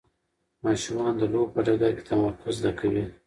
ماشومان د لوبو په ډګر کې تمرکز زده کوي.